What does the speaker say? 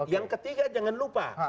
yang ketiga jangan lupa